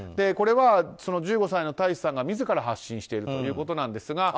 これは１５歳の大維志さんが自ら発信しているということなんですが。